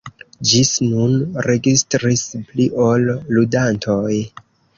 Ĝis nun registris pli ol ludantoj.